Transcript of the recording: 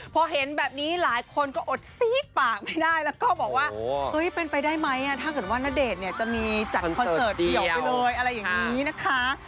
พอเห็นแบบนี้หลายคนก็อดซีดปากไม่ได้แล้วก็บอกว่าเฮ้ยเป็นไปได้ไหมถ้าเกิดว่าณเดชน์เนี่ยจะมีจัดคอนเสิร์ตเดี่ยวไปเลยอะไรอย่างนี้นะคะ